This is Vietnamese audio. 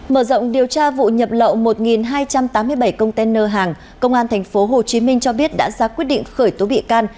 mở rộng điều tra vụ nhập lậu một hai trăm tám mươi bảy container hàng công an tp hcm cho biết đã ra quyết định khởi tố bị can